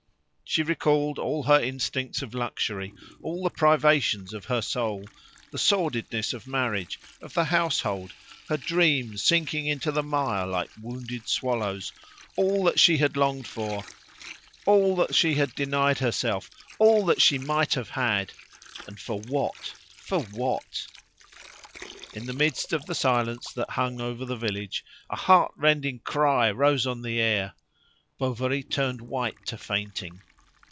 She recalled all her instincts of luxury, all the privations of her soul, the sordidness of marriage, of the household, her dream sinking into the mire like wounded swallows; all that she had longed for, all that she had denied herself, all that she might have had! And for what? for what? In the midst of the silence that hung over the village a heart rending cry rose on the air. Bovary turned white to fainting.